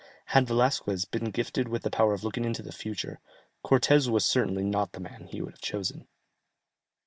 Had Velasquez been gifted with the power of looking into the future, Cortès was certainly not the man he would have chosen.